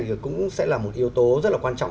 thì cũng sẽ là một yếu tố rất là quan trọng